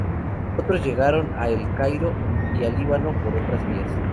Otros llegaron a El Cairo y a Líbano por otras vías.